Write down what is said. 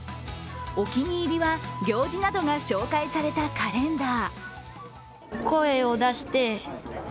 お気に入りは、行司などが紹介されたカレンダー。